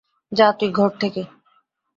যা তুই ঘর থেকে।